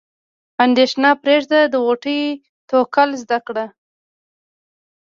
اندیښنه پرېږده د غوټۍ توکل زده کړه.